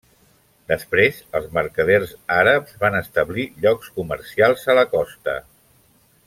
Després, els mercaders àrabs van establir llocs comercials a la costa.